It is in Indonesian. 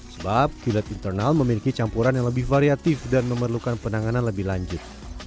sebab pilot internal memiliki campuran yang lebih variatif dan memerlukan penanganan lebih lanjut